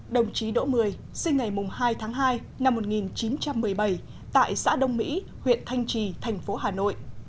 đồng chí đỗ mười sinh ngày hai tháng hai năm một nghìn chín trăm một mươi bảy tại xã đông mỹ huyện thanh trì thành phố hà nội